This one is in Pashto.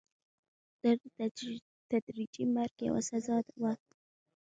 دا د تدریجي مرګ یوه سزا وه.